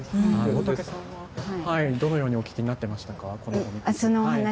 大竹さんは、どのようにお聞きになっていましたか。